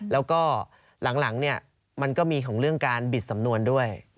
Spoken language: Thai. แล้วก็หลังมันก็มีของเรื่องการบิดสำนวนด้วย